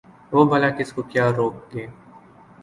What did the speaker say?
وہ بلا کس کو کیا روک گے ۔